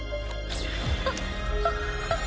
あっあっあっあっ。